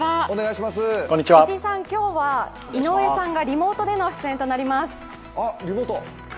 今日は井上さんがリモートでの出演となります。